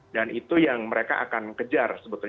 dan itu yang mereka akan kejar sebetulnya